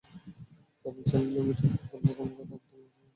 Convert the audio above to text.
বেতন চাইলে লিমিটেডের প্রকল্প কর্মকর্তা আবদুল হালিম তাঁদের ছাঁটাই করা শুরু করেন।